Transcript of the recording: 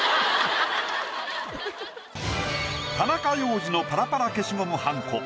田中要次のパラパラ消しゴムはんこ。